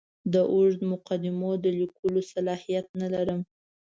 د اوږدو مقدمو د لیکلو صلاحیت نه لرم.